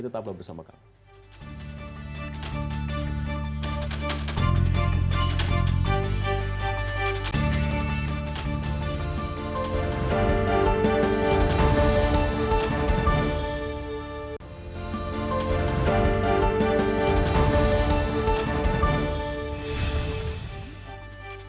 tetaplah bersama kami